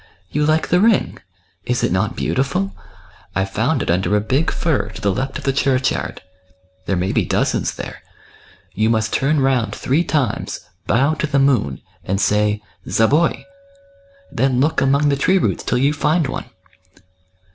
" You like the ring, is it not beautiful ? I found it under a big fir to the left of the churchyard, — there may be dozens there. You must turn round three times, bow to the moon, and say, ' Zaboi !' then look among the tree roots till you find one."